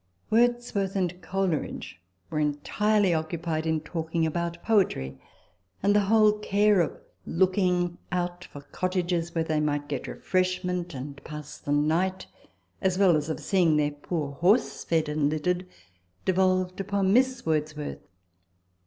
Wordsworth and Coleridge were entirely occupied in talking about poetry ; and the whole care of looking out for cottages where they might get refreshment and pass the night, as well as of seeing their poor horse fed and littered, devolved upon Miss Wordsworth.